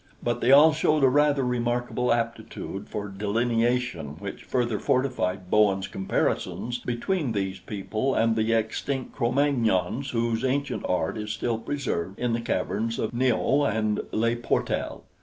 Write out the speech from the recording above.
But they all showed a rather remarkable aptitude for delineation which further fortified Bowen's comparisons between these people and the extinct Cro Magnons whose ancient art is still preserved in the caverns of Niaux and Le Portel.